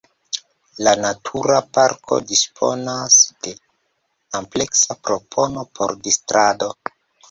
La Natura Parko disponas de ampleksa propono por distrado.